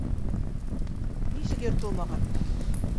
Нисек йыртылмаған?